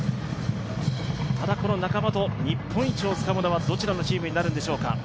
ただ、この仲間と日本一をつかむのはどちらのチームになるんでしょうか。